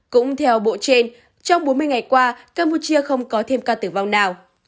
cũng theo bộ trên trong bốn mươi ngày qua campuchia không có thêm ca tử vong nào